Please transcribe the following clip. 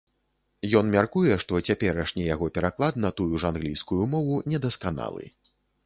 Ён мяркуе, што цяперашні яго пераклад на тую ж англійскую мову недасканалы.